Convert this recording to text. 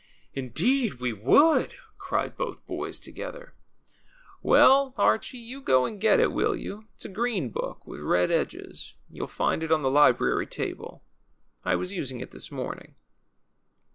Indeed we would," cried both boys together. ^^Well, Archie, you go and get it, will you? It's a green book with red edges. You* 11 find it on the library table. I was using it this morning."